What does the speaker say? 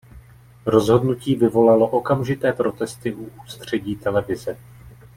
Rozhodnutí vyvolalo okamžité protesty u ústředí televize.